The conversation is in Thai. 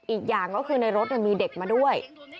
อีกอย่างก็คือในรถมีเด็กมาด้วย